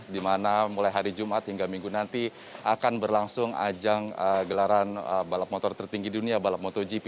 di mana mulai hari jumat hingga minggu nanti akan berlangsung ajang gelaran balap motor tertinggi dunia balap motogp